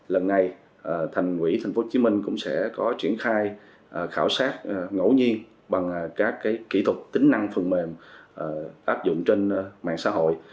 lần này thành quỹ tp hcm cũng sẽ có triển khai khảo sát ngẫu nhiên bằng các kỹ thuật tính năng phần mềm áp dụng trên mạng xã hội